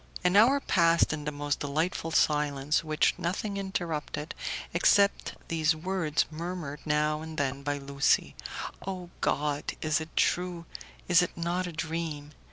An hour passed in the most delightful silence, which nothing interrupted except these words murmured now and then by Lucie, "Oh, God! is it true? is it not a dream?"